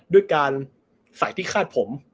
ด้วยการใส่ที่คาดผม